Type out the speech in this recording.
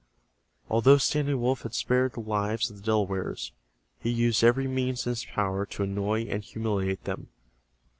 Although Standing Wolf had spared the lives of the Delawares, he used every means in his power to annoy and humiliate them.